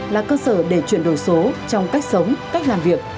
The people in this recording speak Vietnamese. là cơ sở để chuyển đổi số trong cách sống cách làm việc